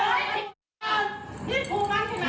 ไอ้แม่ได้เอาแม่ดูนะ